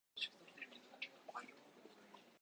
Nyamaande buʼe kam, sey caarol.